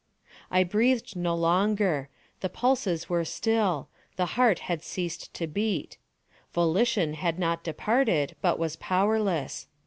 I breathed no longer. The pulses were still. The heart had ceased to beat. Volition had not departed, but was powerless.